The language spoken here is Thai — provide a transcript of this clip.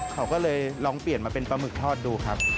เขาก็เลยลองเปลี่ยนมาเป็นปลาหมึกทอดดูครับ